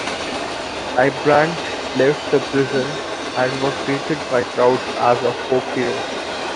Leibbrandt left the prison and was greeted by crowds as a "folk hero".